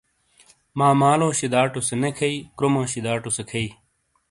ماں مالو شِیداٹو سے نے کھئیی، کرومو شِیداٹو سے کھئیی۔